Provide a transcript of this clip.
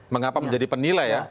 mengapa menjadi penila ya